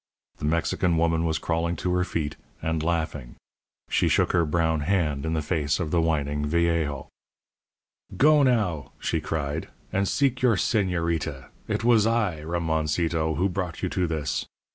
The Mexican woman was crawling to her feet, and laughing. She shook her brown hand in the face of the whining viejo. "Go, now," she cried, "and seek your señorita. It was I, Ramoncito, who brought you to this.